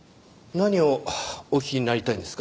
何をお聞きになりたいんですか？